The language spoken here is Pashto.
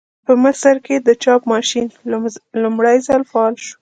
په مصر کې د چاپ ماشین لومړي ځل فعال شو.